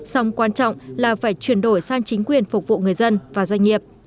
song quan trọng là phải chuyển đổi sang chính quyền phục vụ người dân và doanh nghiệp